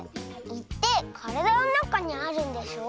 「い」ってからだのなかにあるんでしょ。